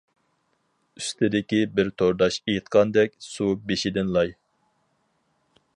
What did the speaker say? ئۈستىدىكى بىر تورداش ئېيتقاندەك «سۇ بېشىدىن لاي» .